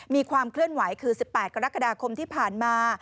มีความเคลื่อนไหวคือ๑๘กรกฎาคมที่ผ่านมา